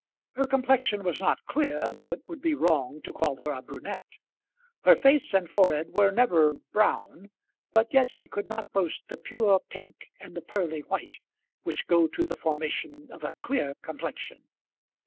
Her complexion was not clear, though it would be wrong to call her a brunette. Her face and forehead were never brown, but yet she could not boast the pure pink and the pearly white which go to the formation of a clear complexion.